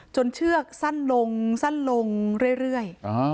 เชือกสั้นลงสั้นลงเรื่อย